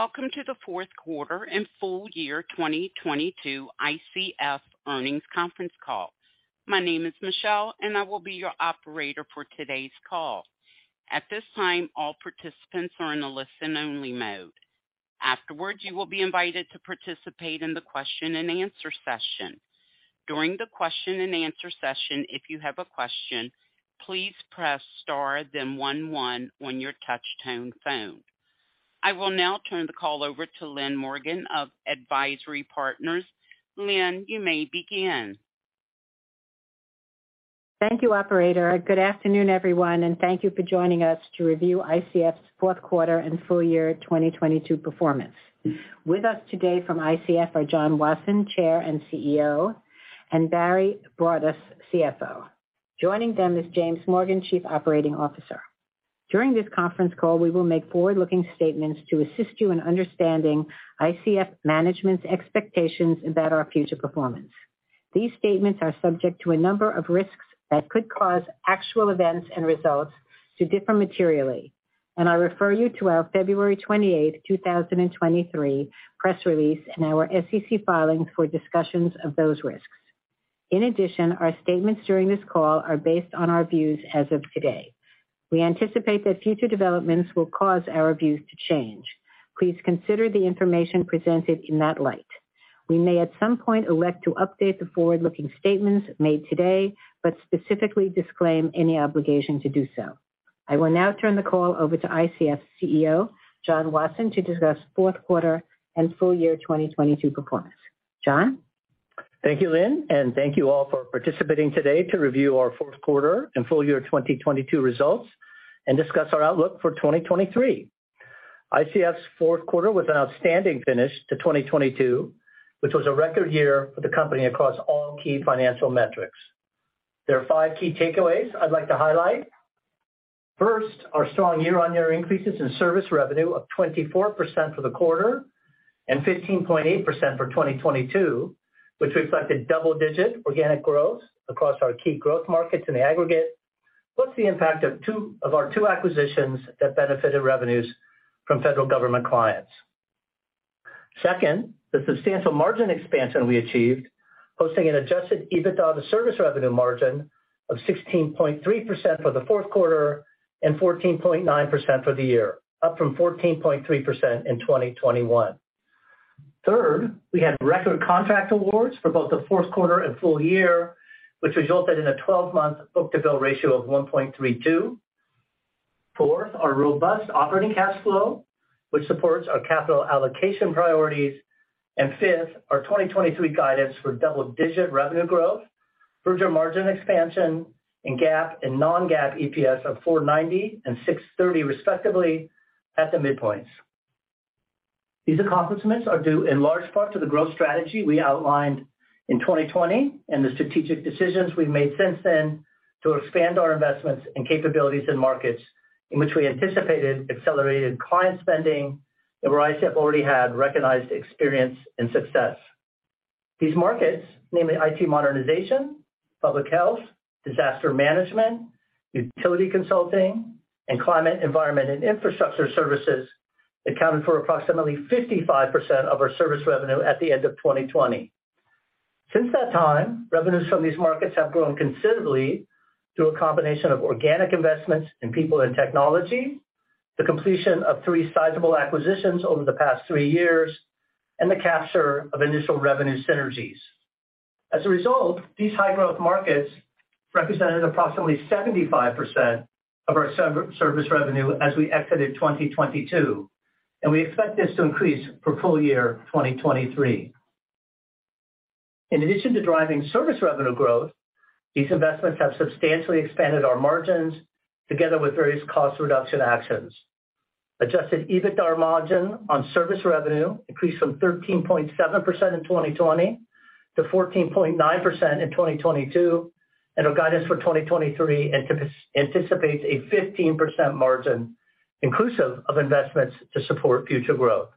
Welcome to the fourth quarter and full year 2022 ICF earnings conference call. My name is Michelle, and I will be your operator for today's call. At this time, all participants are in a listen-only mode. Afterwards, you will be invited to participate in the question-and-answer session. During the question-and-answer session, if you have a question, please press star then one one on your touchtone phone. I will now turn the call over to Lynn Morgen of AdvisIRy Partners. Lynn, you may begin. Thank you, operator. Good afternoon, everyone, thank you for joining us to review ICF's fourth quarter and full year 2022 performance. With us today from ICF are John Wasson, Chair and CEO, and Barry Broadus, CFO. Joining them is James Morgan, Chief Operating Officer. During this conference call, we will make forward-looking statements to assist you in understanding ICF management's expectations about our future performance. These statements are subject to a number of risks that could cause actual events and results to differ materially, and I refer you to our February 28, 2023 press release and our SEC filings for discussions of those risks. In addition, our statements during this call are based on our views as of today. We anticipate that future developments will cause our views to change. Please consider the information presented in that light. We may at some point elect to update the forward-looking statements made today, but specifically disclaim any obligation to do so. I will now turn the call over to ICF's CEO, John Wasson, to discuss fourth quarter and full year 2022 performance. John? Thank you, Lynn, and thank you all for participating today to review our fourth quarter and full year 2022 results and discuss our outlook for 2023. ICF's fourth quarter was an outstanding finish to 2022, which was a record year for the company across all key financial metrics. There are five key takeaways I'd like to highlight. First, our strong year-on-year increases in service revenue of 24% for the quarter and 15.8% for 2022, which reflected double-digit organic growth across our key growth markets in the aggregate, plus the impact of our two acquisitions that benefited revenues from federal government clients. Second, the substantial margin expansion we achieved, posting an adjusted EBITDA service revenue margin of 16.3% for the fourth quarter and 14.9% for the year, up from 14.3% in 2021. Third, we had record contract awards for both the fourth quarter and full year, which resulted in a 12-month book-to-bill ratio of 1.32. Fourth, our robust operating cash flow, which supports our capital allocation priorities. Fifth, our 2023 guidance for double-digit revenue growth, further margin expansion in GAAP and non-GAAP EPS of $4.90 and $6.30 respectively at the midpoints. These accomplishments are due in large part to the growth strategy we outlined in 2020 and the strategic decisions we've made since then to expand our investments and capabilities in markets in which we anticipated accelerated client spending and where ICF already had recognized experience and success. These markets, namely IT modernization, public health, disaster management, utility consulting, and climate, environment, and infrastructure services, accounted for approximately 55% of our service revenue at the end of 2020. Since that time, revenues from these markets have grown considerably through a combination of organic investments in people and technology, the completion of three sizable acquisitions over the past three years, and the capture of initial revenue synergies. As a result, these high-growth markets represented approximately 75% of our service revenue as we exited 2022, and we expect this to increase for full year 2023. In addition to driving service revenue growth, these investments have substantially expanded our margins together with various cost reduction actions. Adjusted EBITDA margin on service revenue increased from 13.7% in 2020 to 14.9% in 2022, and our guidance for 2023 anticipates a 15% margin inclusive of investments to support future growth.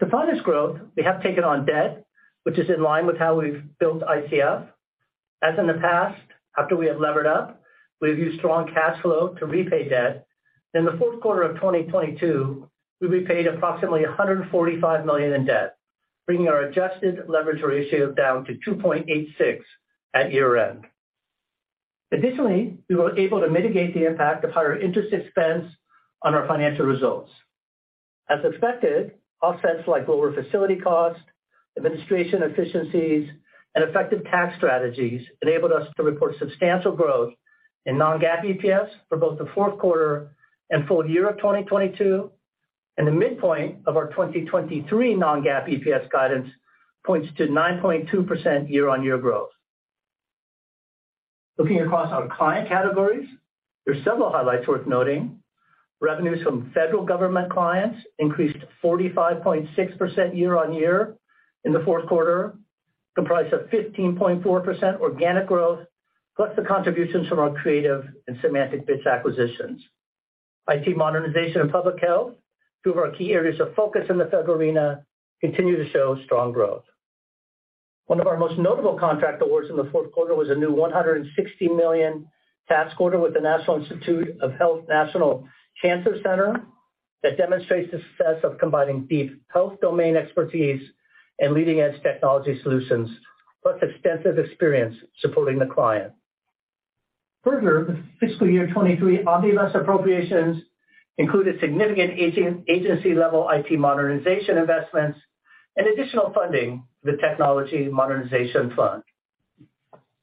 To fund this growth, we have taken on debt, which is in line with how we've built ICF. As in the past, after we have levered up, we've used strong cash flow to repay debt. In the fourth quarter of 2022, we repaid approximately $145 million in debt, bringing our adjusted leverage ratio down to 2.86 at year-end. Additionally, we were able to mitigate the impact of higher interest expense on our financial results. As expected, offsets like lower facility costs, administration efficiencies, and effective tax strategies enabled us to report substantial growth in non-GAAP EPS for both the fourth quarter and full year of 2022. The midpoint of our 2023 non-GAAP EPS guidance points to 9.2% year-on-year growth. Looking across our client categories, there are several highlights worth noting. Revenues from federal government clients increased 45.6% year-on-year in the fourth quarter, comprised of 15.4% organic growth plus the contributions from our Creative and SemanticBits acquisitions. IT modernization and public health, two of our key areas of focus in the federal arena, continue to show strong growth. One of our most notable contract awards in the fourth quarter was a new $160 million task order with the National Institutes of Health National Cancer Institute that demonstrates the success of combining deep health domain expertise and leading-edge technology solutions, plus extensive experience supporting the client. The fiscal year 2023 omnibus appropriations included significant agency-level IT modernization investments and additional funding for the Technology Modernization Fund.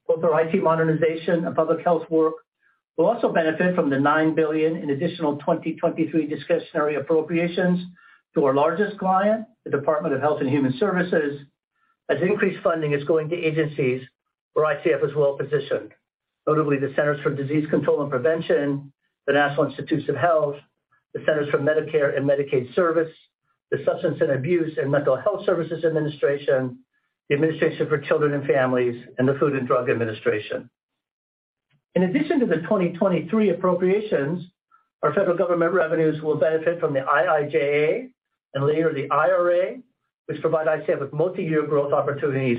Both our IT modernization and public health work will also benefit from the $9 billion in additional 2023 discretionary appropriations to our largest client, the Department of Health and Human Services, as increased funding is going to agencies where ICF is well-positioned, notably the Centers for Disease Control and Prevention, the National Institutes of Health, the Centers for Medicare & Medicaid Services, the Substance Abuse and Mental Health Services Administration, the Administration for Children and Families, and the Food and Drug Administration. In addition to the 2023 appropriations, our federal government revenues will benefit from the IIJA and later the IRA, which provide ICF with multiyear growth opportunities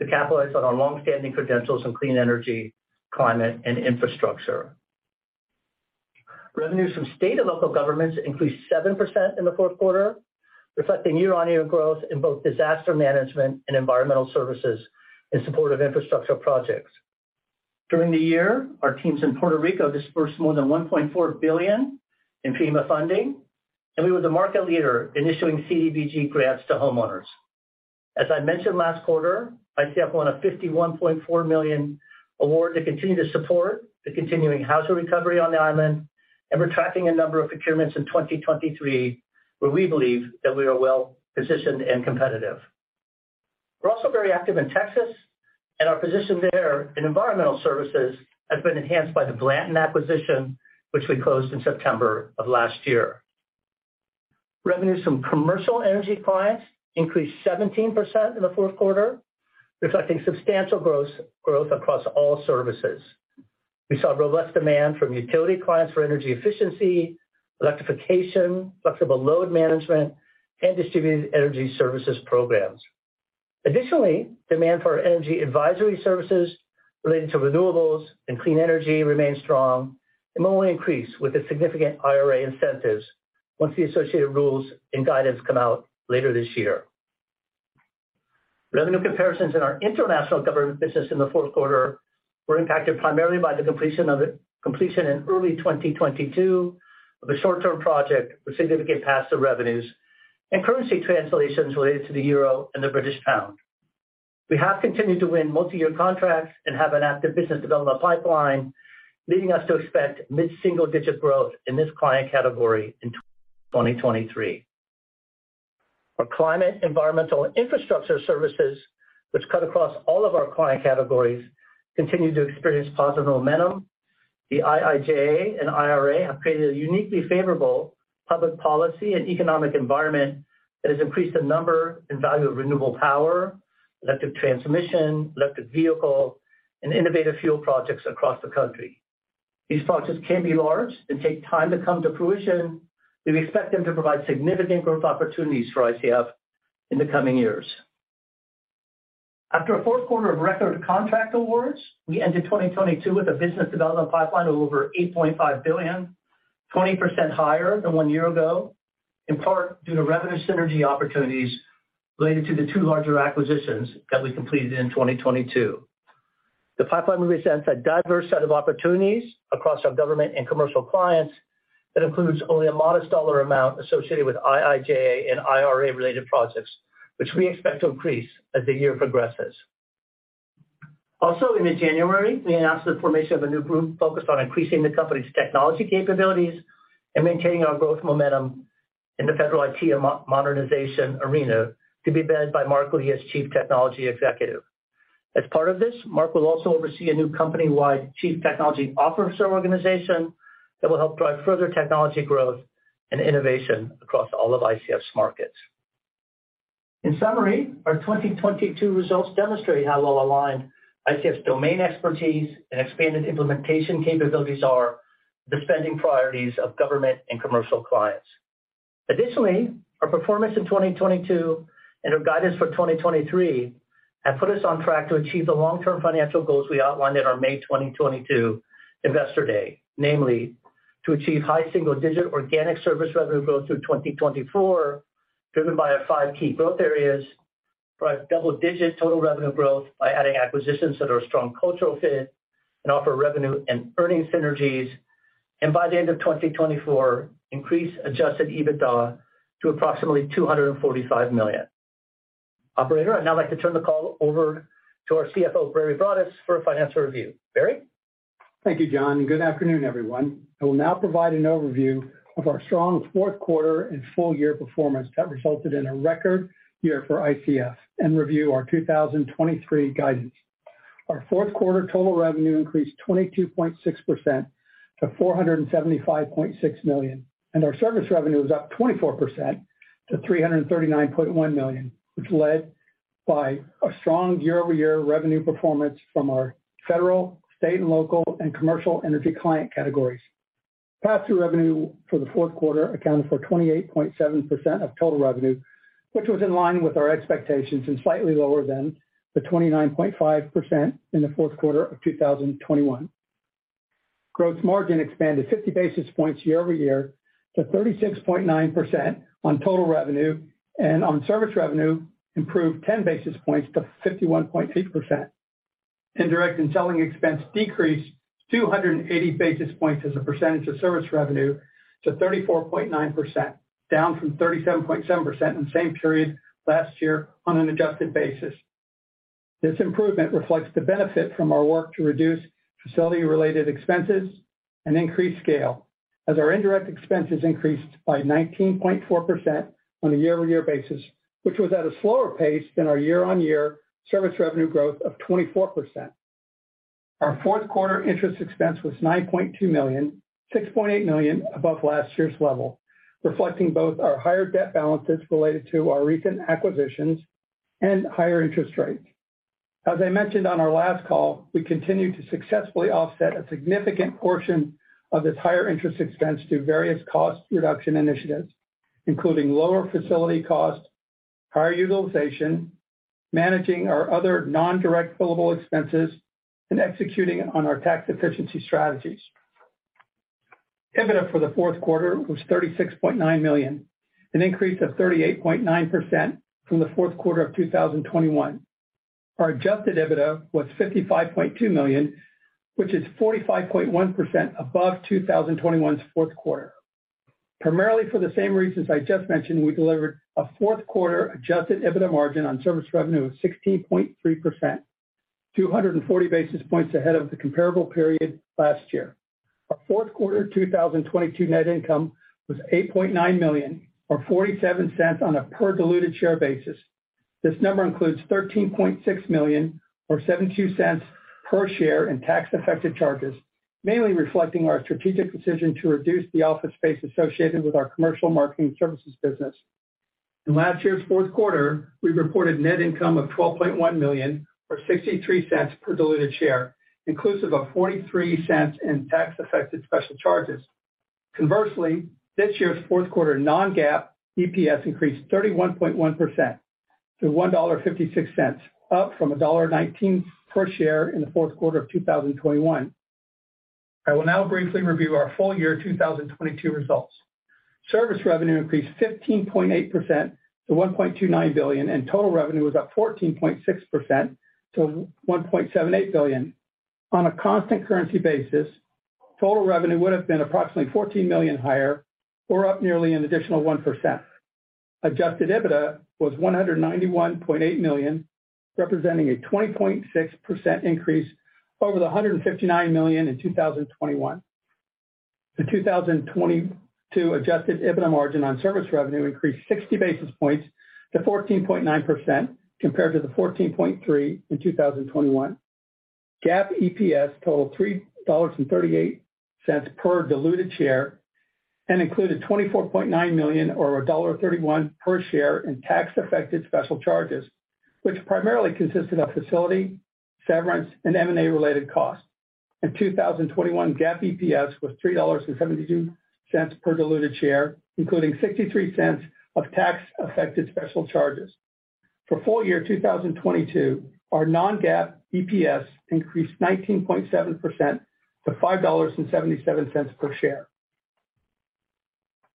to capitalize on our long-standing credentials in clean energy, climate, and infrastructure. Revenues from state and local governments increased 7% in the fourth quarter, reflecting year-on-year growth in both disaster management and environmental services in support of infrastructure projects. During the year, our teams in Puerto Rico disbursed more than $1.4 billion in FEMA funding, and we were the market leader in issuing CDBG grants to homeowners. As I mentioned last quarter, ICF won a $51.4 million award to continue to support the continuing housing recovery on the island, and we're tracking a number of procurements in 2023 where we believe that we are well-positioned and competitive. We're also very active in Texas, and our position there in environmental services has been enhanced by the Blanton acquisition, which we closed in September of last year. Revenues from commercial energy clients increased 17% in the fourth quarter, reflecting substantial gross growth across all services. We saw robust demand from utility clients for energy efficiency, electrification, flexible load management, and distributed energy services programs. Additionally, demand for our energy advisory services relating to renewables and clean energy remains strong and will only increase with the significant IRA incentives once the associated rules and guidance come out later this year. Revenue comparisons in our international government business in the fourth quarter were impacted primarily by the completion in early 2022 of a short-term project with significant pass-through revenues and currency translations related to the euro and the British pound. We have continued to win multiyear contracts and have an active business development pipeline, leading us to expect mid-single-digit growth in this client category in 2023. Our climate, environmental, and infrastructure services, which cut across all of our client categories, continue to experience positive momentum. The IIJA and IRA have created a uniquely favorable public policy and economic environment that has increased the number and value of renewable power, electric transmission, electric vehicle, and innovative fuel projects across the country. These projects can be large and take time to come to fruition, but we expect them to provide significant growth opportunities for ICF in the coming years. After a fourth quarter of record contract awards, we ended 2022 with a business development pipeline of over $8.5 billion, 20% higher than one year ago, in part due to revenue synergy opportunities related to the two larger acquisitions that we completed in 2022. The pipeline represents a diverse set of opportunities across our government and commercial clients that includes only a modest dollar amount associated with IIJA and IRA-related projects, which we expect to increase as the year progresses. In mid-January, we announced the formation of a new group focused on increasing the company's technology capabilities and maintaining our growth momentum in the federal IT and modernization arena to be led by Mark Lee as Chief Technology Executive. As part of this, Mark will also oversee a new company-wide chief technology officer organization that will help drive further technology growth and innovation across all of ICF's markets. In summary, our 2022 results demonstrate how well aligned ICF's domain expertise and expanded implementation capabilities are with the spending priorities of government and commercial clients. Our performance in 2022 and our guidance for 2023 have put us on track to achieve the long-term financial goals we outlined in our May 2022 investor day. Namely, to achieve high single-digit organic service revenue growth through 2024, driven by our five key growth areas, drive double-digit total revenue growth by adding acquisitions that are a strong cultural fit and offer revenue and earning synergies, and by the end of 2024, increase adjusted EBITDA to approximately $245 million. Operator, I'd now like to turn the call over to our CFO, Barry Broadus, for a financial review. Barry? Thank you, John. Good afternoon, everyone. I will now provide an overview of our strong fourth quarter and full year performance that resulted in a record year for ICF and review our 2023 guidance. Our fourth quarter total revenue increased 22.6% to $475.6 million, and our service revenue was up 24% to $339.1 million, which led by a strong year-over-year revenue performance from our federal, state, and local and commercial energy client categories. Pass-through revenue for the fourth quarter accounted for 28.7% of total revenue, which was in line with our expectations and slightly lower than the 29.5% in the fourth quarter of 2021. Gross margin expanded 50 basis points year-over-year to 36.9% on total revenue, and on service revenue improved 10 basis points to 51.8%. Indirect and selling expense decreased 280 basis points as a percentage of service revenue to 34.9%, down from 37.7% in the same period last year on an adjusted basis. This improvement reflects the benefit from our work to reduce facility-related expenses and increase scale as our indirect expenses increased by 19.4% on a year-over-year basis, which was at a slower pace than our year-on-year service revenue growth of 24%. Our fourth quarter interest expense was $9.2 million, $6.8 million above last year's level, reflecting both our higher debt balances related to our recent acquisitions and higher interest rates. As I mentioned on our last call, we continue to successfully offset a significant portion of this higher interest expense through various cost reduction initiatives, including lower facility costs, higher utilization, managing our other non-direct billable expenses, and executing on our tax efficiency strategies. EBITDA for the fourth quarter was $36.9 million, an increase of 38.9% from the fourth quarter of 2021. Our adjusted EBITDA was $55.2 million, which is 45.1% above 2021's fourth quarter. Primarily for the same reasons I just mentioned, we delivered a fourth quarter adjusted EBITDA margin on service revenue of 16.3%, 240 basis points ahead of the comparable period last year. Our fourth quarter 2022 net income was $8.9 million or $0.47 on a per diluted share basis. This number includes $13.6 million or $0.72 per share in tax-affected charges, mainly reflecting our strategic decision to reduce the office space associated with our commercial marketing services business. In last year's fourth quarter, we reported net income of $12.1 million or $0.63 per diluted share, inclusive of $0.43 in tax-affected special charges. Conversely, this year's fourth quarter non-GAAP EPS increased 31.1% to $1.56, up from $1.19 per share in the fourth quarter of 2021. I will now briefly review our full year 2022 results. Service revenue increased 15.8% to $1.29 billion, and total revenue was up 14.6% to $1.78 billion. On a constant currency basis, total revenue would have been approximately $14 million higher or up nearly an additional 1%. Adjusted EBITDA was $191.8 million, representing a 20.6% increase over the $159 million in 2021. The 2022 Adjusted EBITDA margin on service revenue increased 60 basis points to 14.9% compared to the 14.3% in 2021. GAAP EPS totaled $3.38 per diluted share and included $24.9 million or $1.31 per share in tax-affected special charges, which primarily consisted of facility, severance, and M&A-related costs. In 2021, GAAP EPS was $3.72 per diluted share, including $0.63 of tax-affected special charges. For full year 2022, our non-GAAP EPS increased 19.7% to $5.77 per share.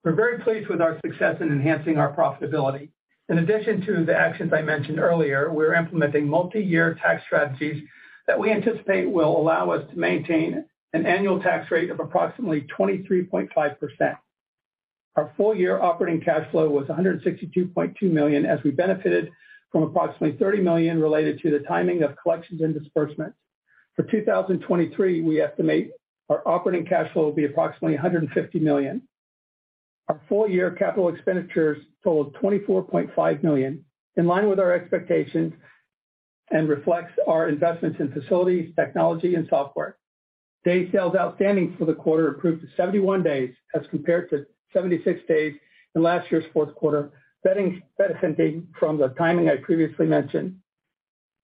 We're very pleased with our success in enhancing our profitability. In addition to the actions I mentioned earlier, we are implementing multi-year tax strategies that we anticipate will allow us to maintain an annual tax rate of approximately 23.5%. Our full year operating cash flow was $162.2 million as we benefited from approximately $30 million related to the timing of collections and disbursements. For 2023, we estimate our operating cash flow will be approximately $150 million. Our full year capital expenditures totaled $24.5 million in line with our expectations and reflects our investments in facilities, technology, and software. Day sales outstanding for the quarter improved to 71 days as compared to 76 days in last year's fourth quarter, benefiting from the timing I previously mentioned.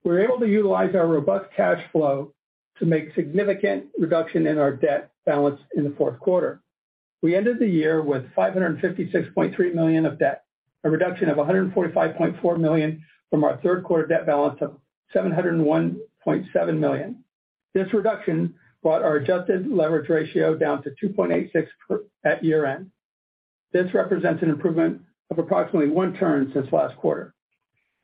We were able to utilize our robust cash flow to make significant reduction in our debt balance in the fourth quarter. We ended the year with $556.3 million of debt, a reduction of $145.4 million from our third quarter debt balance of $701.7 million. This reduction brought our adjusted leverage ratio down to 2.86 at year-end. This represents an improvement of approximately 1 turn since last quarter.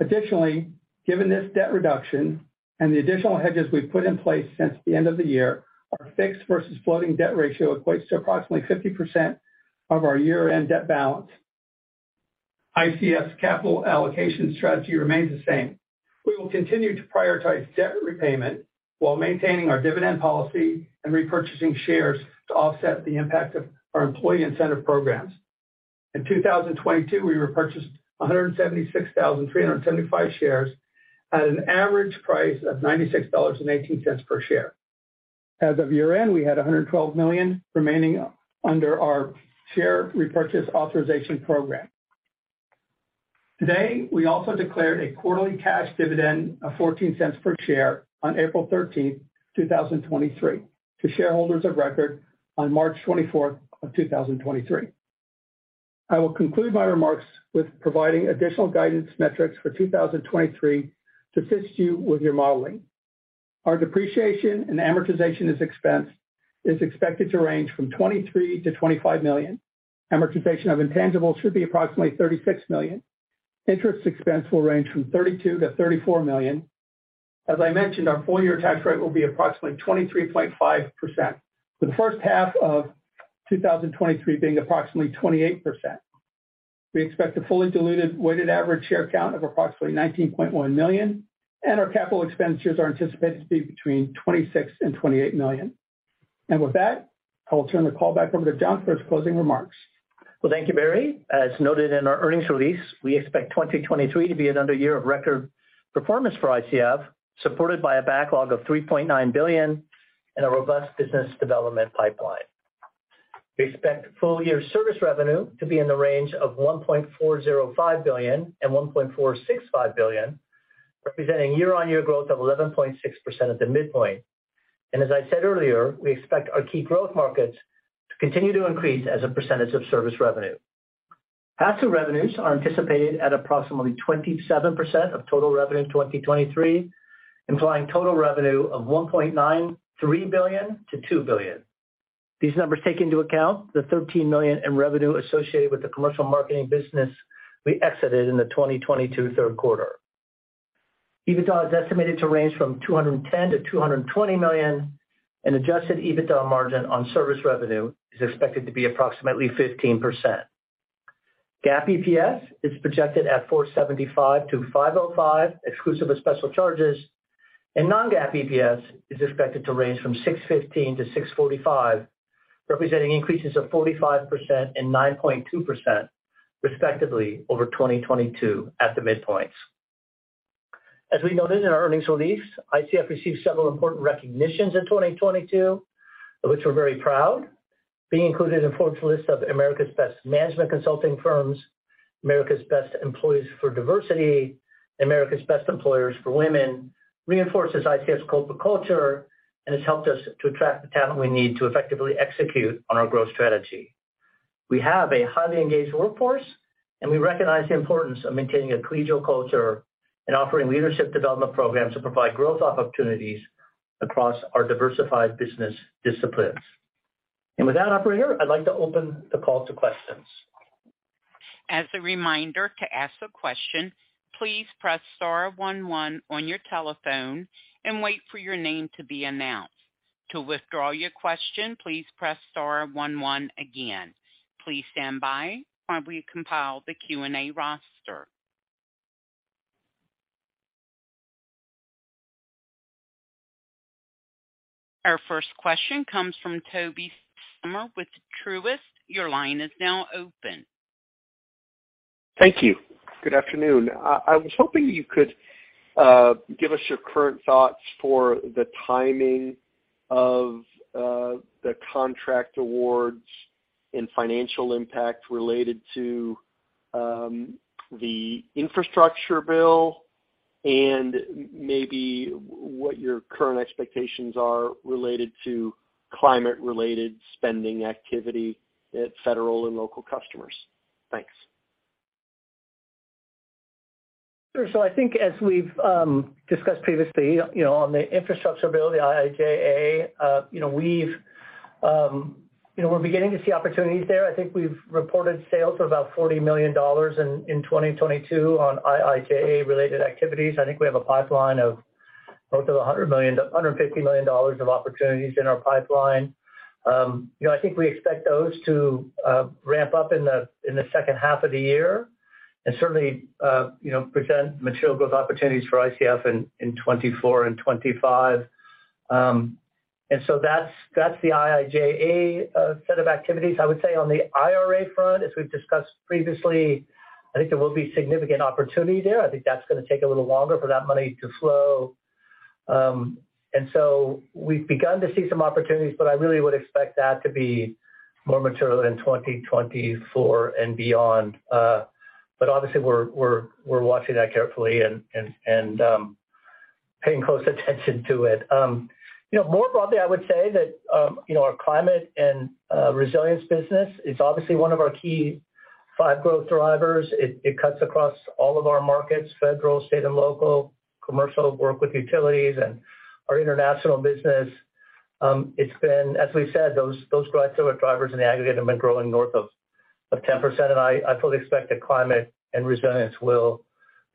Additionally, given this debt reduction and the additional hedges we've put in place since the end of the year, our fixed versus floating debt ratio equates to approximately 50% of our year-end debt balance. ICF's capital allocation strategy remains the same. We will continue to prioritize debt repayment while maintaining our dividend policy and repurchasing shares to offset the impact of our employee incentive programs. In 2022, we repurchased 176,375 shares at an average price of $96.18 per share. As of year-end, we had $112 million remaining under our share repurchase authorization program. Today, we also declared a quarterly cash dividend of $0.14 per share on April 13, 2023 to shareholders of record on March 24, 2023. I will conclude my remarks with providing additional guidance metrics for 2023 to assist you with your modeling. Our depreciation and amortization as expense is expected to range from $23 million-$25 million. Amortization of intangibles should be approximately $36 million. Interest expense will range from $32 million-$34 million. As I mentioned, our full year tax rate will be approximately 23.5%, with the first half of 2023 being approximately 28%. We expect a fully diluted weighted average share count of approximately 19.1 million, and our capital expenditures are anticipated to be between $26 million and $28 million. With that, I will turn the call back over to John for his closing remarks. Well, thank you, Barry. As noted in our earnings release, we expect 2023 to be another year of record performance for ICF, supported by a backlog of $3.9 billion and a robust business development pipeline. We expect full year service revenue to be in the range of $1.405 billion-$1.465 billion, representing year-on-year growth of 11.6% at the midpoint. As I said earlier, we expect our key growth markets to continue to increase as a percentage of service revenue. Pass-through revenues are anticipated at approximately 27% of total revenue in 2023, implying total revenue of $1.93 billion-$2 billion. These numbers take into account the $13 million in revenue associated with the commercial marketing business we exited in the 2022 third quarter. EBITDA is estimated to range from $210 million-$220 million. Adjusted EBITDA margin on service revenue is expected to be approximately 15%. GAAP EPS is projected at $4.75-$5.05 exclusive of special charges. Non-GAAP EPS is expected to range from $6.15-$6.45, representing increases of 45% and 9.2% respectively over 2022 at the midpoints. As we noted in our earnings release, ICF received several important recognitions in 2022, of which we're very proud. Being included in Fortune's list of America's best management consulting firms, America's best employees for diversity, and America's best employers for women reinforces ICF's corporate culture and has helped us to attract the talent we need to effectively execute on our growth strategy. We have a highly engaged workforce, and we recognize the importance of maintaining a collegial culture and offering leadership development programs to provide growth opportunities across our diversified business disciplines. With that operator, I'd like to open the call to questions. As a reminder, to ask a question, please press star one one on your telephone and wait for your name to be announced. To withdraw your question, please press star one one again. Please stand by while we compile the Q&A roster. Our first question comes from Tobey Sommer with Truist. Your line is now open. Thank you. Good afternoon. I was hoping you could give us your current thoughts for the timing of the contract awards and financial impact related to the infrastructure bill and maybe what your current expectations are related to climate-related spending activity at federal and local customers. Thanks. Sure. I think as we've discussed previously, you know, on the infrastructure bill, the IIJA, you know, we've, you know, we're beginning to see opportunities there. I think we've reported sales of about $40 million in 2022 on IIJA-related activities. I think we have a pipeline of close to $100 million-$150 million of opportunities in our pipeline. You know, I think we expect those to ramp up in the second half of the year and certainly, you know, present material growth opportunities for ICF in 2024 and 2025. That's the IIJA set of activities. I would say on the IRA front, as we've discussed previously, I think there will be significant opportunity there. I think that's gonna take a little longer for that money to flow. We've begun to see some opportunities, but I really would expect that to be more material in 2024 and beyond. But obviously we're watching that carefully and paying close attention to it. You know, more broadly, I would say that, you know, our climate and resilience business is obviously one of our key five growth drivers. It cuts across all of our markets, federal, state, and local, commercial work with utilities, and our international business. It's been, as we've said, those growth drivers in the aggregate have been growing north of 10%. And I fully expect that climate and resilience will...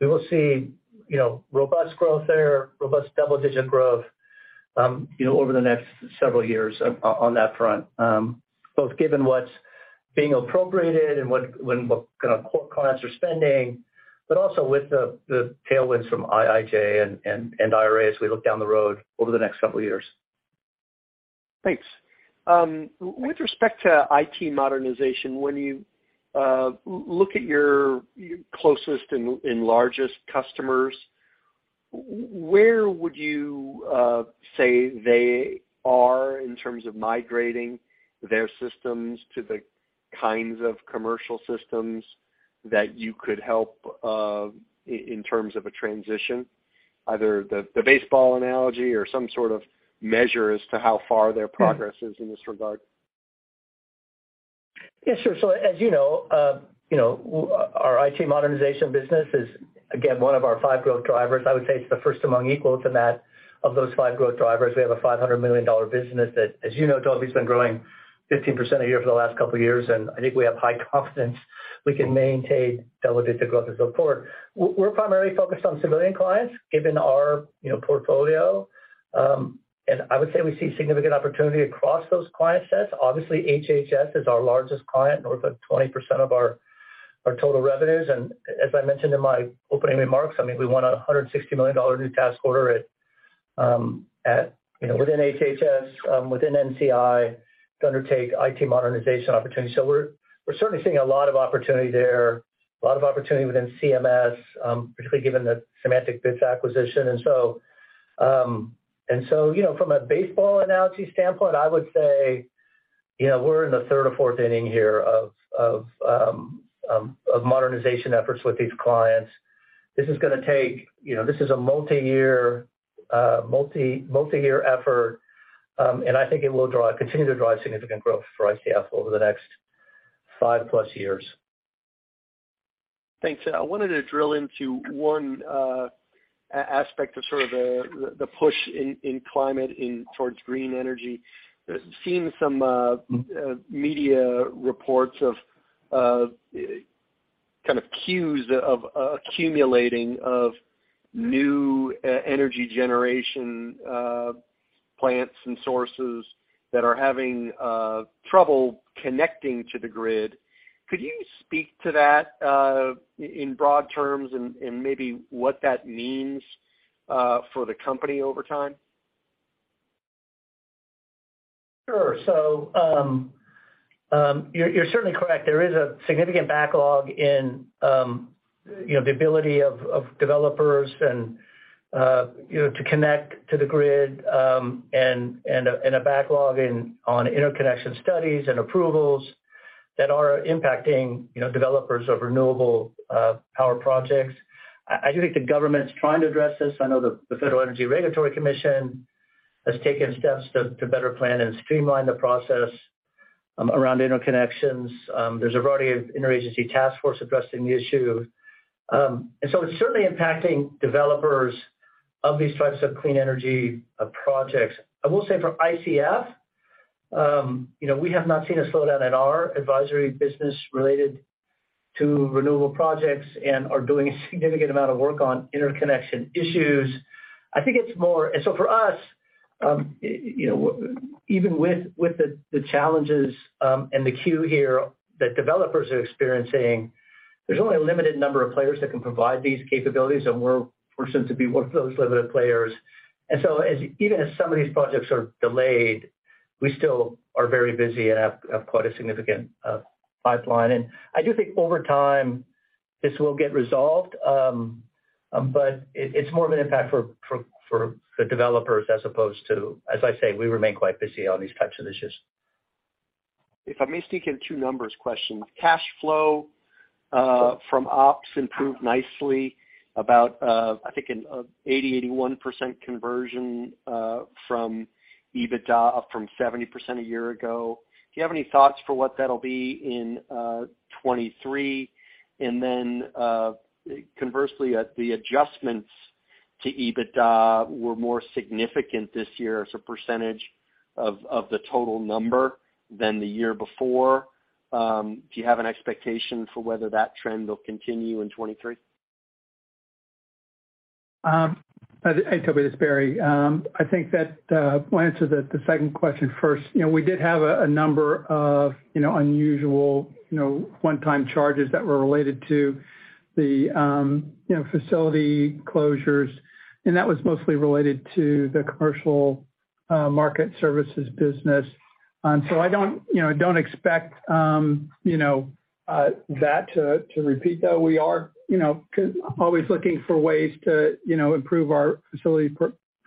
We will see, you know, robust growth there, robust double-digit growth, you know, over the next several years on that front, both given what's being appropriated and clients are spending, but also with the tailwinds from IIJA and IRA as we look down the road over the next couple of years. Thanks. With respect to IT modernization, when you look at your closest and largest customers. Where would you say they are in terms of migrating their systems to the kinds of commercial systems that you could help in terms of a transition, either the baseball analogy or some sort of measure as to how far their progress is in this regard? Yes, sure. As you know, you know, our IT modernization business is again, one of our 5 growth drivers. I would say it's the first among equals in that of those 5 growth drivers. We have a $500 million business that, as you know, Tobey, it's been growing 15% a year for the last couple of years, and I think we have high confidence we can maintain double-digit growth as look forward. We're primarily focused on civilian clients given our, you know, portfolio. I would say we see significant opportunity across those client sets. Obviously, HHS is our largest client, north of 20% of our total revenues. As I mentioned in my opening remarks, I mean, we won a $160 million new task order at, you know, within HHS, within NCI to undertake IT modernization opportunities. We're certainly seeing a lot of opportunity there, a lot of opportunity within CMS, particularly given the SemanticBits acquisition. From a baseball analogy standpoint, I would say, you know, we're in the third or fourth inning here of modernization efforts with these clients. This is gonna take, you know, this is a multi-year effort, and I think it will continue to drive significant growth for ICF over the next 5+ years. Thanks. I wanted to drill into one aspect of sort of the push in climate in towards green energy. Seen some media reports of kind of queues of accumulating of new e-energy generation, plants and sources that are having trouble connecting to the grid. Could you speak to that in broad terms and maybe what that means for the company over time? Sure. You're certainly correct. There is a significant backlog in, you know, the ability of developers and, you know, to connect to the grid, and a backlog in on interconnection studies and approvals that are impacting, you know, developers of renewable power projects. I do think the government's trying to address this. I know the Federal Energy Regulatory Commission has taken steps to better plan and streamline the process around interconnections. There's a variety of interagency task force addressing the issue. It's certainly impacting developers of these types of clean energy projects. I will say for ICF, you know, we have not seen a slowdown in our advisory business related to renewable projects and are doing a significant amount of work on interconnection issues. I think it's more... For us, you know, even with the challenges and the queue here that developers are experiencing, there's only a limited number of players that can provide these capabilities, and we're fortunate to be one of those limited players. As even as some of these projects are delayed, we still are very busy and have quite a significant pipeline. I do think over time, this will get resolved. But it's more of an impact for the developers as opposed to. As I say, we remain quite busy on these types of issues. If I may sneak in two numbers questions. Cash flow from ops improved nicely about, I think an 80%-81% conversion from EBITDA up from 70% a year ago. Do you have any thoughts for what that'll be in 2023? Conversely, the adjustments to EBITDA were more significant this year as a percentage of the total number than the year before. Do you have an expectation for whether that trend will continue in 2023? Hey, Tobey, this is Barry. I think that we'll answer the second question first. You know, we did have a number of, you know, unusual, you know, one-time charges that were related to the, you know, facility closures, and that was mostly related to the commercial market services business. I don't, you know, don't expect, you know, that to repeat, though we are, you know, always looking for ways to, you know, improve our facility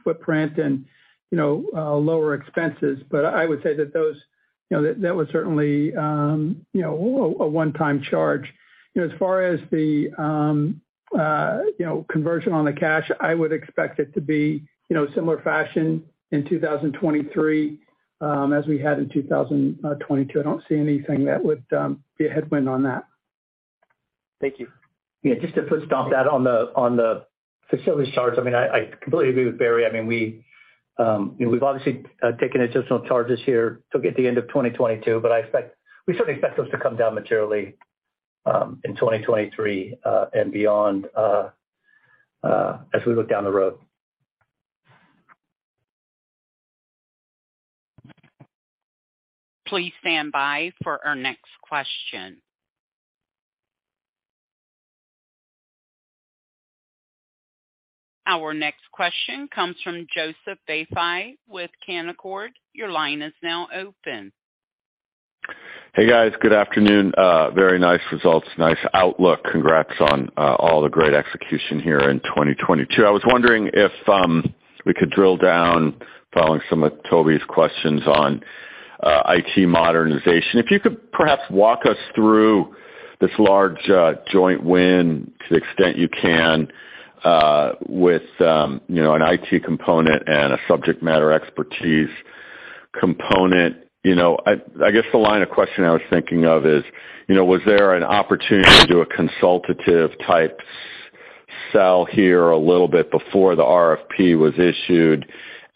footprint and, you know, lower expenses. I would say that those, you know, that was certainly, you know, a one-time charge. As far as the, you know, conversion on the cash, I would expect it to be, you know, similar fashion in 2023 as we had in 2022. I don't see anything that would be a headwind on that. Thank you. Yeah, just to foot stomp that on the, on the facilities charge. I mean, I completely agree with Barry. I mean, we, you know, we've obviously taken additional charges here to get the end of 2022, but we certainly expect those to come down materially in 2023 and beyond as we look down the road. Please stand by for our next question. Our next question comes from Joseph Vafi with Canaccord. Your line is now open. Hey guys, good afternoon. Very nice results. Nice outlook. Congrats on all the great execution here in 2022. I was wondering if we could drill down following some of Tobey's questions on IT modernization. If you could perhaps walk us through this large joint win to the extent you can, with, you know, an IT component and a subject matter expertise component. You know, I guess the line of questioning I was thinking of is, you know, was there an opportunity to do a consultative type sell here a little bit before the RFP was issued?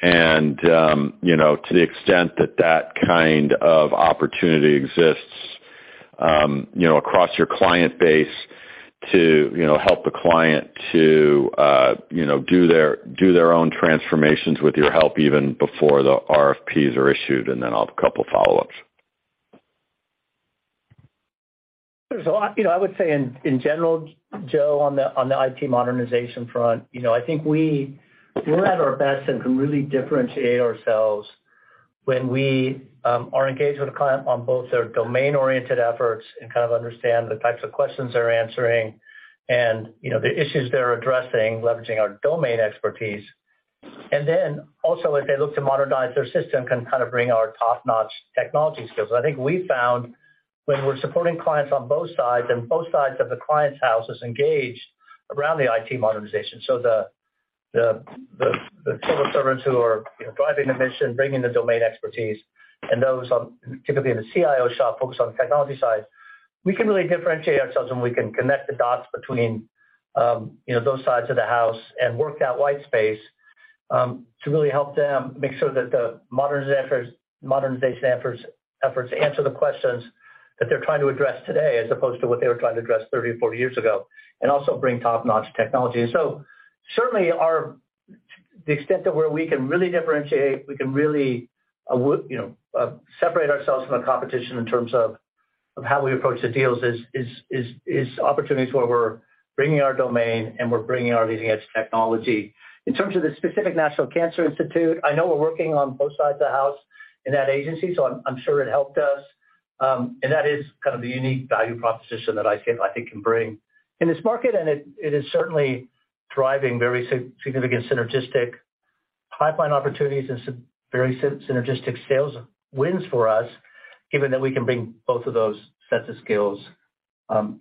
You know, to the extent that that kind of opportunity exists, you know, across your client base to, you know, help the client to, you know, do their own transformations with your help even before the RFPs are issued, and then I'll have a couple follow-ups. You know, I would say in general, Joe, on the IT modernization front, you know, I think we're at our best and can really differentiate ourselves when we are engaged with a client on both their domain-oriented efforts and kind of understand the types of questions they're answering and, you know, the issues they're addressing, leveraging our domain expertise. Also, as they look to modernize their system can kind of bring our top-notch technology skills. I think we found when we're supporting clients on both sides and both sides of the client's house is engaged around the IT modernization, the civil servants who are, you know, driving the mission, bringing the domain expertise, and those on typically in the CIO shop focused on the technology side, we can really differentiate ourselves, and we can connect the dots between, you know, those sides of the house and work that white space to really help them make sure that the modernization efforts answer the questions that they're trying to address today as opposed to what they were trying to address 30, 40 years ago, and also bring top-notch technology. Certainly our... The extent to where we can really differentiate, we can really, you know, separate ourselves from the competition in terms of how we approach the deals is opportunities where we're bringing our domain and we're bringing our leading-edge technology. In terms of the specific National Cancer Institute, I know we're working on both sides of the house in that agency, so I'm sure it helped us. That is kind of the unique value proposition that I think can bring in this market. It is certainly driving very significant synergistic pipeline opportunities and some very synergistic sales wins for us, given that we can bring both of those sets of skills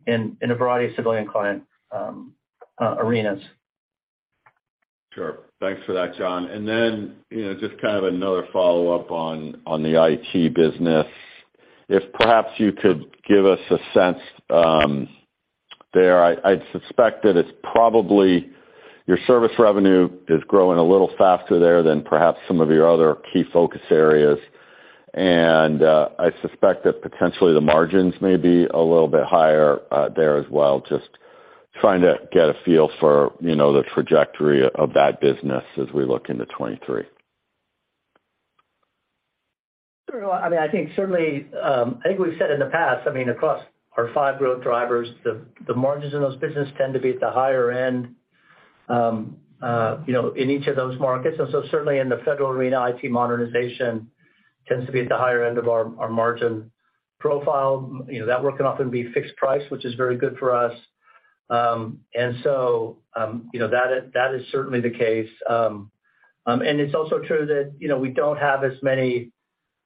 in a variety of civilian client arenas. Sure. Thanks for that, John. You know, just kind of another follow-up on the IT business. If perhaps you could give us a sense there. I'd suspect that it's probably your service revenue is growing a little faster there than perhaps some of your other key focus areas. I suspect that potentially the margins may be a little bit higher there as well. Just trying to get a feel for, you know, the trajectory of that business as we look into 2023. Sure. I mean, I think certainly, I think we've said in the past, I mean, across our five growth drivers, the margins in those business tend to be at the higher end, you know, in each of those markets. Certainly in the federal arena, IT modernization tends to be at the higher end of our margin profile. You know, that work can often be fixed price, which is very good for us. And so, you know, that is certainly the case. And it's also true that, you know, we don't have as many,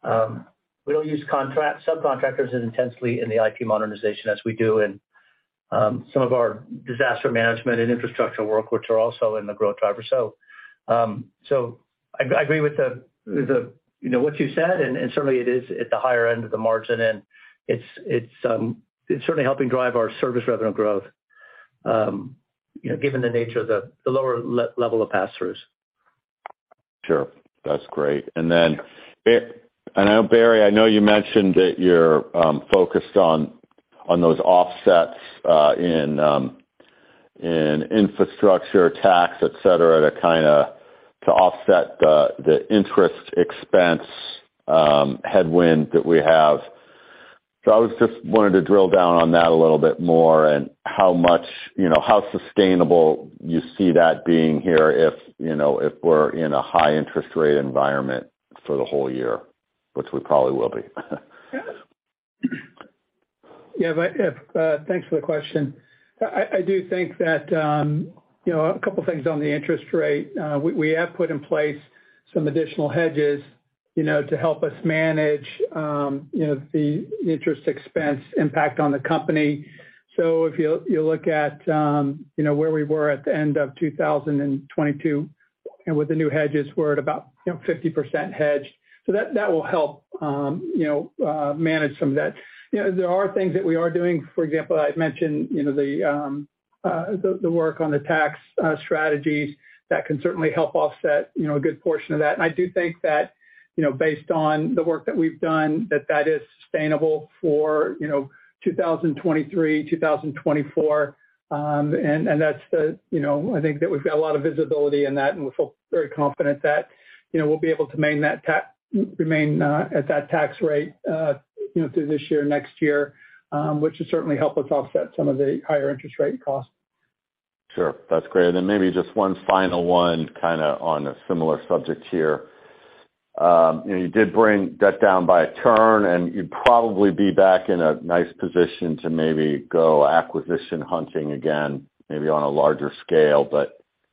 we don't use subcontractors as intensely in the IT modernization as we do in some of our disaster management and infrastructure work, which are also in the growth driver. I agree with the, with the, you know, what you said, and certainly it is at the higher end of the margin, and it's certainly helping drive our service revenue growth, you know, given the nature of the lower level of pass-throughs. Sure. That's great. Barry, I know you mentioned that you're focused on those offsets in infrastructure, tax, et cetera, to kinda offset the interest expense headwind that we have. I was just wanting to drill down on that a little bit more and how much, you know, how sustainable you see that being here if, you know, if we're in a high interest rate environment for the whole year, which we probably will be? Yeah. Thanks for the question. I do think that, you know, a couple things on the interest rate. We, we have put in place some additional hedges, you know, to help us manage, you know, the interest expense impact on the company. If you'll, you look at, you know, where we were at the end of 2022, and with the new hedges, we're at about, you know, 50% hedged. That, that will help, you know, manage some of that. You know, there are things that we are doing. For example, I'd mentioned, you know, the work on the tax strategies. That can certainly help offset, you know, a good portion of that. I do think that, you know, based on the work that we've done, that that is sustainable for, you know, 2023, 2024. That's the, you know, I think that we've got a lot of visibility in that, and we feel very confident that, you know, we'll be able to remain at that tax rate, you know, through this year, next year, which has certainly helped us offset some of the higher interest rate costs. Sure. That's great. Then maybe just one final one kind of on a similar subject here. You know, you did bring debt down by a turn, and you'd probably be back in a nice position to maybe go acquisition hunting again, maybe on a larger scale.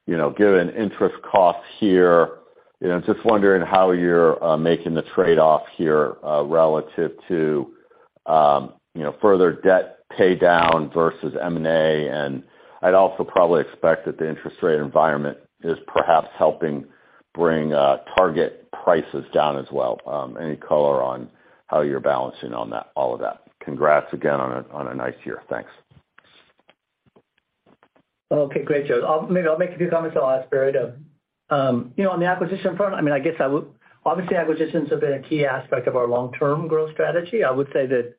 You know, given interest costs here, you know, just wondering how you're making the trade-off here relative to, you know, further debt paydown versus M&A. I'd also probably expect that the interest rate environment is perhaps helping bring target prices down as well. Any color on how you're balancing all of that? Congrats again on a nice year. Thanks. Okay, great, Joe. Maybe I'll make a few comments on the last period. You know, on the acquisition front, I mean, I guess I would. Obviously, acquisitions have been a key aspect of our long-term growth strategy. I would say that,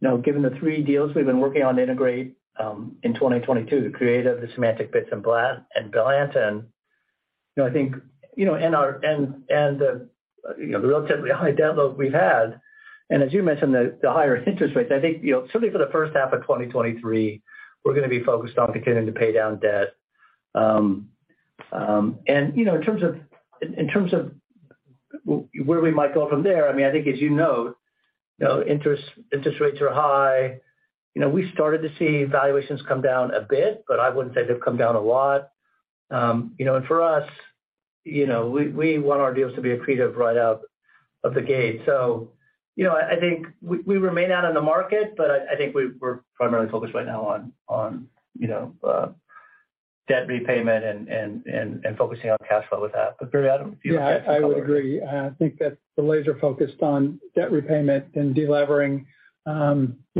you know, given the three deals we've been working on to integrate, in 2022, the Creative, the SemanticBits, and Blanton. You know, I think, you know, and the, you know, the relatively high debt load we've had, and as you mentioned, the higher interest rates, I think, you know, certainly for the first half of 2023, we're gonna be focused on beginning to pay down debt. And, you know, in terms of where we might go from there, I mean, I think as you know, you know, interest rates are high. You know, we started to see valuations come down a bit, but I wouldn't say they've come down a lot. For us, you know, we want our deals to be accretive right out of the gate. I think we remain out in the market, but I think we're primarily focused right now on debt repayment and focusing on cash flow with that. Barry, I don't know if you have anything to color on that. Yeah, I would agree. I think that the laser-focused on debt repayment and delevering, you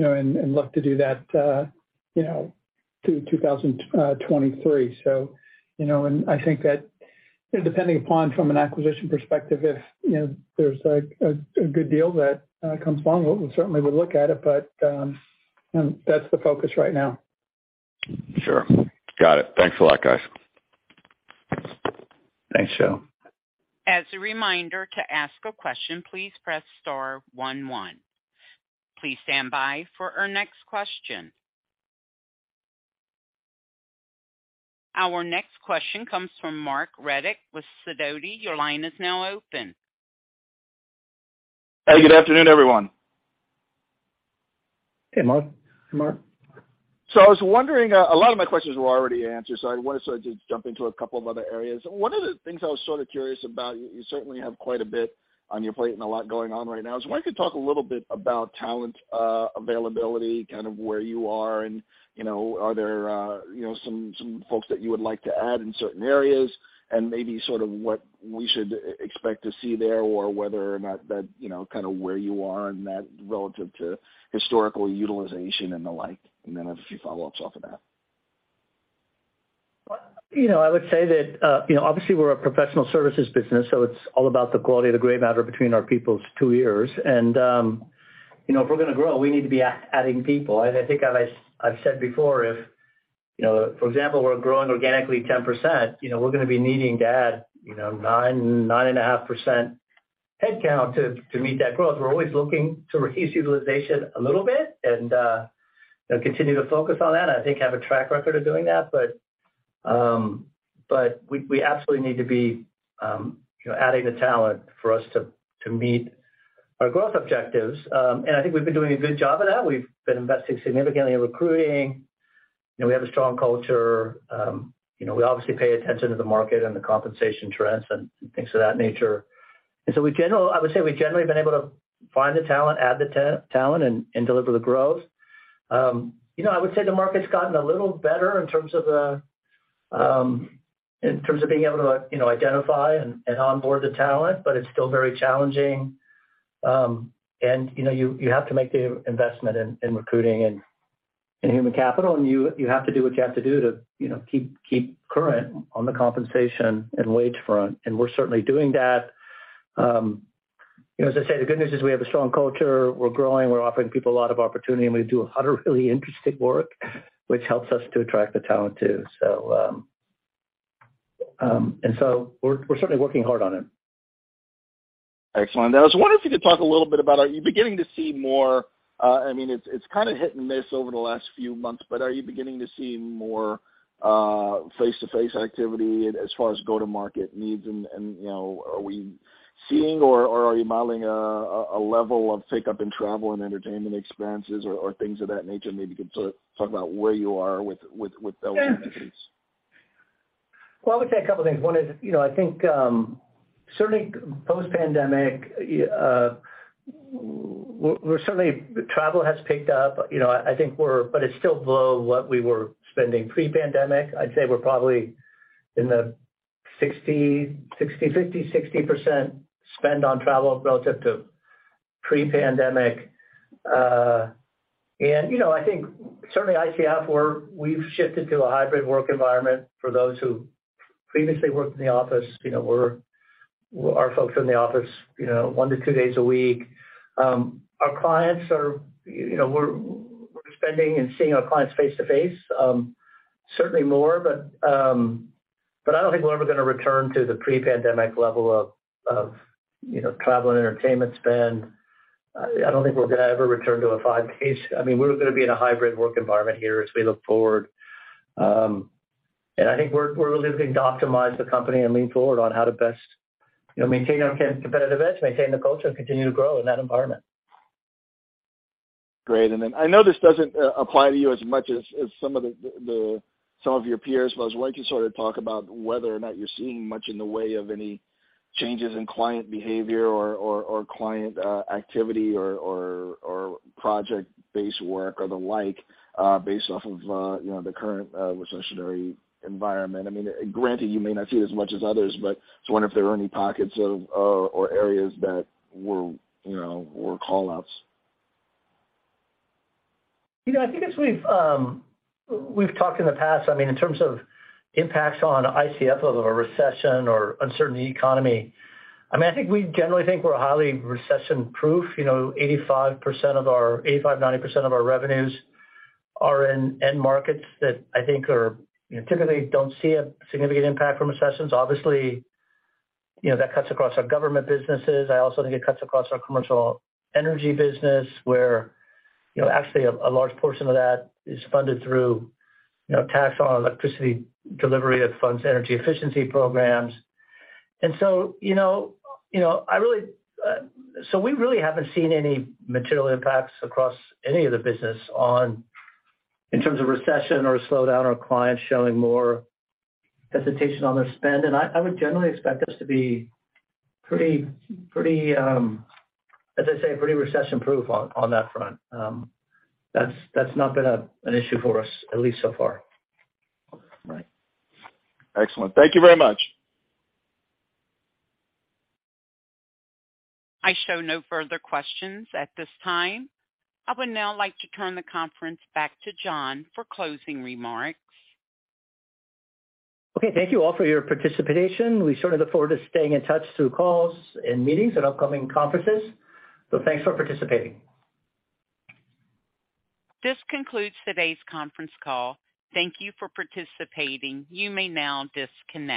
know, and look to do that, you know, through 2023. I think that, you know, depending upon from an acquisition perspective, if, you know, there's a good deal that comes along, we certainly will look at it, but, you know, that's the focus right now. Sure. Got it. Thanks a lot, guys. Thanks, Joe. As a reminder, to ask a question, please press star one one. Please stand by for our next question. Our next question comes from Marc Riddick with Sidoti. Your line is now open. Hey, good afternoon, everyone. Hey, Mark. Hey, Mark. I was wondering, a lot of my questions were already answered, so I wanna sort of just jump into a couple of other areas. One of the things I was sort of curious about, you certainly have quite a bit on your plate and a lot going on right now. I wonder if you could talk a little bit about talent, availability, kind of where you are and, you know, are there, you know, some folks that you would like to add in certain areas? Maybe sort of what we should expect to see there or whether or not that, you know, kind of where you are in that relative to historical utilization and the like. I have a few follow-ups off of that. Well, you know, I would say that, you know, obviously we're a professional services business, so it's all about the quality of the gray matter between our people's two ears. You know, if we're gonna grow, we need to be adding people. I think as I've said before, if, you know, for example, we're growing organically 10%, you know, we're gonna be needing to add, you know, 9.5% headcount to meet that growth. We're always looking to reduce utilization a little bit and, you know, continue to focus on that. I think have a track record of doing that. We absolutely need to be, you know, adding the talent for us to meet our growth objectives. I think we've been doing a good job of that. We've been investing significantly in recruiting. You know, we have a strong culture. You know, we obviously pay attention to the market and the compensation trends and things of that nature. I would say we've generally been able to find the talent, add the talent, and deliver the growth. You know, I would say the market's gotten a little better in terms of the, in terms of being able to, you know, identify and onboard the talent, but it's still very challenging. You know, you have to make the investment in recruiting and human capital, and you have to do what you have to do to, you know, keep current on the compensation and wage front, and we're certainly doing that. You know, as I say, the good news is we have a strong culture. We're growing. We're offering people a lot of opportunity, and we do a lot of really interesting work, which helps us to attract the talent too. We're certainly working hard on it. Excellent. I was wondering if you could talk a little bit about are you beginning to see more. I mean, it's kind of hit and miss over the last few months, but are you beginning to see more, face-to-face activity as far as go-to-market needs? You know, are we seeing or are you modeling a level of take-up in travel and entertainment experiences or things of that nature? Maybe you could sort of talk about where you are with those initiatives? Well, I would say a couple things. One is, you know, I think, certainly post-pandemic, travel has picked up. You know, I think it's still below what we were spending pre-pandemic. I'd say we're probably in the 60, 50, 60% spend on travel relative to pre-pandemic. You know, I think certainly ICF, we've shifted to a hybrid work environment for those who previously worked in the office. You know, our folks are in the office, you know, one to two days a week. Our clients are, you know, we're spending and seeing our clients face to face, certainly more. I don't think we're ever gonna return to the pre-pandemic level of, you know, travel and entertainment spend. I don't think we're gonna ever return to a five-page. I mean, we're gonna be in a hybrid work environment here as we look forward. I think we're really looking to optimize the company and lean forward on how to best, you know, maintain our competitive edge, maintain the culture, and continue to grow in that environment. Great. Then I know this doesn't apply to you as much as some of your peers. I was wanting to sort of talk about whether or not you're seeing much in the way of any changes in client behavior or client activity or project-based work or the like, based off of, you know, the current recessionary environment. I mean, granted you may not see it as much as others, but just wondering if there are any pockets of or areas that were, you know, were call-outs. You know, I think as we've talked in the past, I mean, in terms of impacts on ICF of a recession or uncertainty economy, I mean, I think we generally think we're highly recession-proof. You know, 85%-90% of our revenues are in end markets that I think are, you know, typically don't see a significant impact from recessions. Obviously, you know, that cuts across our government businesses. I also think it cuts across our commercial energy business where, you know, actually a large portion of that is funded through, you know, tax on electricity delivery that funds energy efficiency programs. You know, I really, so we really haven't seen any material impacts across any of the business on, in terms of recession or a slowdown or clients showing more hesitation on their spend. I would generally expect us to be pretty, as I say, pretty recession-proof on that front. That's not been an issue for us, at least so far. Right. Excellent. Thank you very much. I show no further questions at this time. I would now like to turn the conference back to John for closing remarks. Okay. Thank you all for your participation. We certainly look forward to staying in touch through calls and meetings at upcoming conferences. Thanks for participating. This concludes today's conference call. Thank you for participating. You may now disconnect.